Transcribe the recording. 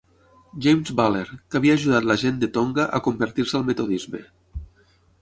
James Buller, que havia ajudat la gent de Tonga a convertir-se al metodisme.